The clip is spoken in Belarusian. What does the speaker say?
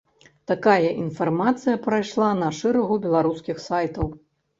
Такая інфармацыя прайшла на шэрагу беларускіх сайтаў.